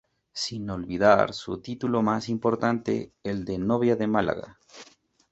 Sin olvidar su título más importante; el de Novia de Málaga.